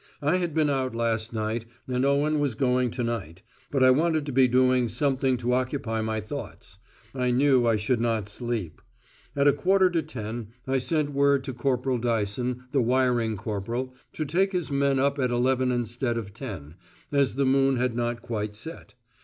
I had been out last night, and Owen was going to night, but I wanted to be doing something to occupy my thoughts. I knew I should not sleep. At a quarter to ten I sent word to Corporal Dyson, the wiring corporal, to take his men up at eleven instead of ten, as the moon had not quite set.